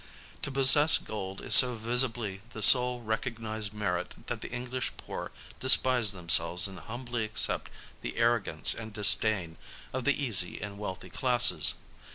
To possess gold is so visibly the sole recognized merit that the English poor despise themselves and humbly accept the arrogance and disdain of the easy and wealthy classes.